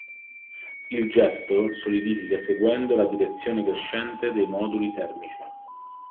Il getto solidifica seguendo la direzione crescente dei moduli termici.